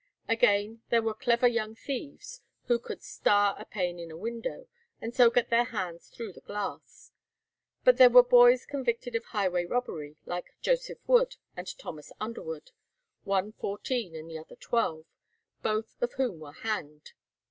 Again, there were clever young thieves who could "starr" a pane in a window, and so get their hands through the glass. But there were boys convicted of highway robbery, like Joseph Wood and Thomas Underwood, one fourteen and the other twelve, both of whom were hanged.